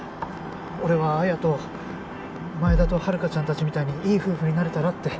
俺は彩と前田とハルカちゃんたちみたいにいい夫婦になれたらって。